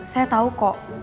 saya tau kok